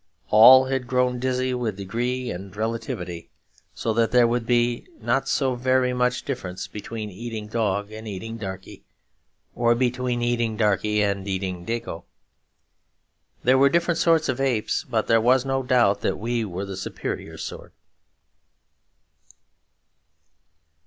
All had grown dizzy with degree and relativity; so that there would not be so very much difference between eating dog and eating darkie, or between eating darkie and eating dago. There were different sorts of apes; but there was no doubt that we were the superior sort.